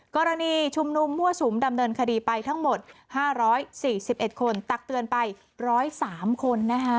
กรณีชุมนุมมั่วสุมดำเนินคดีไปทั้งหมด๕๔๑คนตักเตือนไป๑๐๓คน